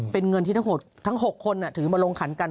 เป็นเงินที่ทั้ง๖คนถือมาลงขันกัน